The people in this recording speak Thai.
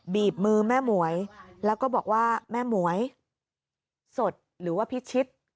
บีบมือแม่หมวยแล้วก็บอกว่าแม่หมวยสดหรือว่าพิชิต